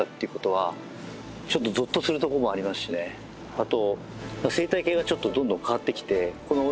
あと。